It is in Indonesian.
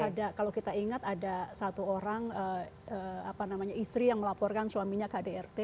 ada kalau kita ingat ada satu orang istri yang melaporkan suaminya kdrt